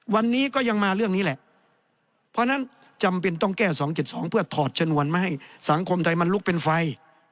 วันนี้ก็ยังมาเรื่องนี้แหละเพราะฉะนั้นจำเป็นต้องแก้๒๗๒เพื่อถอดชนวนมาให้สังคมไทยมันลุกเป็นไฟ